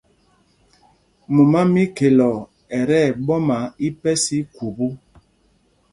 Mumá mí Khɛloo ɛ tí ɛɓɔma ípɛs í khubú.